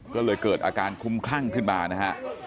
ก็เลยเกิดอาการคุ้มคลั่งขึ้นมานะฮะ